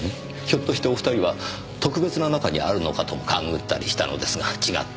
ひょっとしてお二人は特別な仲にあるのかと勘ぐったりしたのですが違っていました。